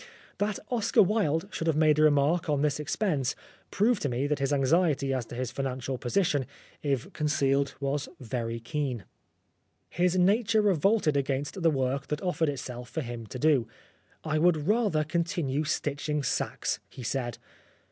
That Oscar Wilde should have made a remark on this expense proved to me that his anxiety as to his financial position, if concealed, was very keen. His nature revolted against the work that offered itself for him to do. "I would rather continue stitching sacks," he said.